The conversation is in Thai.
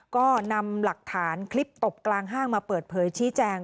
ก็นำหลักฐานคลิปตบกลางห้างมาเปิดเผยชี้แจง